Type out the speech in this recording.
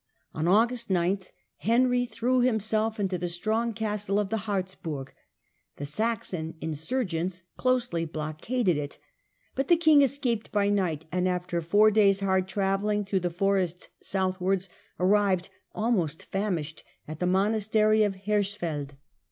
On August 9 Henry threw himself into the strong castle of the Harzburg ; the Saxon insurgents closely Plight of blockaded it, but the king escaped by night, fromtht ^"^^*^^^^^^ days' hard travelling through the Htvraburg forest southwards, arrived, almost famished, at the monastery of Hersfeld.